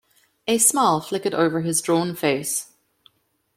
A smile flickered over his drawn face.